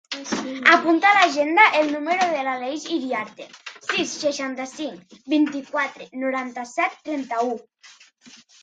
Apunta a l'agenda el número de l'Aleix Iriarte: sis, seixanta-cinc, vint-i-quatre, noranta-set, trenta-u.